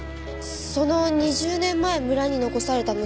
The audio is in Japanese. その２０年前村に残された娘さんが。